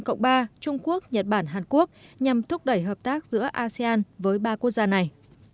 cộng ba trung quốc nhật bản hàn quốc nhằm thúc đẩy hợp tác giữa asean với ba quốc gia này